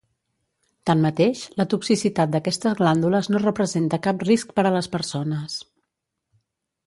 Tanmateix, la toxicitat d'aquestes glàndules no representa cap risc per a les persones.